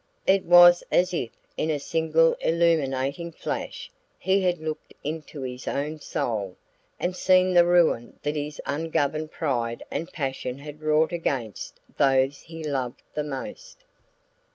It was as if, in a single illuminating flash, he had looked into his own soul, and seen the ruin that his ungoverned pride and passion had wrought against those he loved the most.